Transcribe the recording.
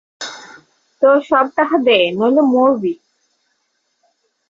তোর সব টাহা দে নইলে মরবি!